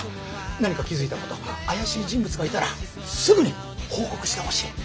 何か気付いたこと怪しい人物がいたらすぐに報告してほしい。